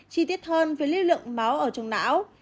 chi tiết hơn về lưu lượng máu ở trùng não